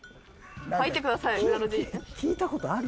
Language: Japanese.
入ってください。